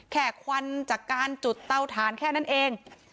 ควันจากการจุดเตาถ่านแค่นั้นเอง